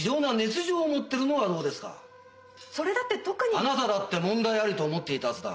あなただって問題ありと思っていたはずだ。